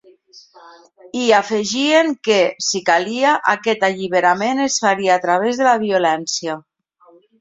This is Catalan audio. I afegien que, si calia, aquest alliberament es faria a través de la violència.